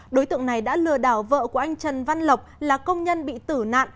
đối tượng này đã lừa đảo vợ của anh trần văn lộc là công nhân bị tử nạn